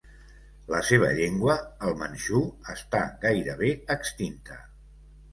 La seva llengua, el manxú, està gairebé extinta.